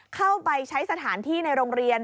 เข้าไปใช้สถานที่ในโรงเรียน